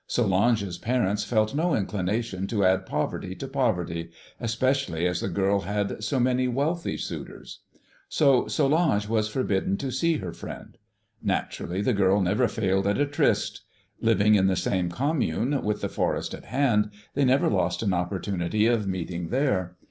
Solange's parents felt no inclination to add poverty to poverty, especially as the girl had so many wealthy suitors. "So Solange was forbidden to see her friend. Naturally, the girl never failed at a tryst. Living in the same commune, with the forest at hand, they never lost an opportunity of meeting there.